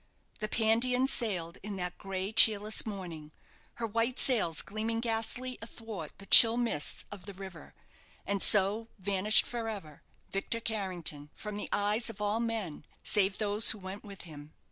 The "Pandion" sailed in that gray cheerless morning, her white sails gleaming ghastly athwart the chill mists of the river, and so vanished for ever Victor Carrington from the eyes of all men, save those who went with him.